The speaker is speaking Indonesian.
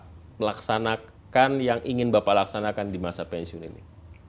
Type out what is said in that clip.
apa yang bapak laksanakan yang ingin bapak laksanakan di masa pensiun ini